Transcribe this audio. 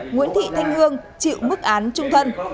nguyễn thị thanh hương chịu mức án trung thân